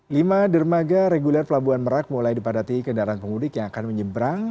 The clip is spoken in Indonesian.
lima dermaga reguler pelabuhan merak mulai dipadati kendaraan pemudik yang akan menyeberang